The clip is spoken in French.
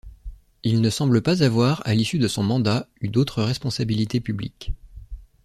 Il ne semble pas avoir, à l'issue de son mandat, eu d'autres responsabilités publiques.